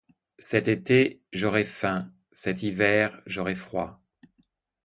Cet été, j'aurai faim, cet hiver, j'aurai froid.